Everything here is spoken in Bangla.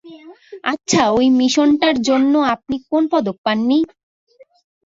আচ্ছা, ঐ মিশনটার জন্য আপনি কোনো পদক পাননি?